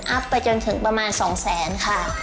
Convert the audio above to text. ๕๐๐๐๐อัพไปจนถึงประมาณ๒๐๐๐๐๐ค่ะ